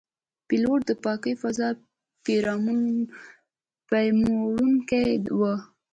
پیلوټ د پاکې فضا پیاموړونکی وي.